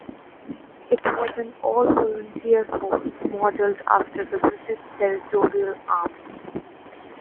It was an all-volunteer force modelled after the British Territorial Army.